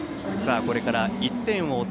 これから１点を追う